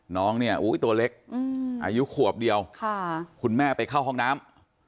น้องเนี่ยตัวเล็กอายุขวบเดียวคุณแม่ไปเข้าห้องน้ำ